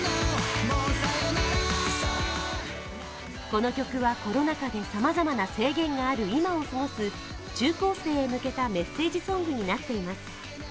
この曲は、コロナ禍でさまざまな制限がある今を過ごす中高生へ向けたメッセージソングになっています。